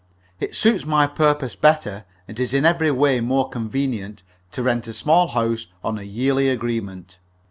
It suits my purpose better, and is in every way more convenient, to rent a small house on a yearly agreement.